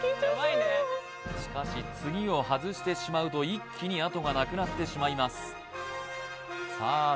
しかし次を外してしまうと一気にあとがなくなってしまいますさあ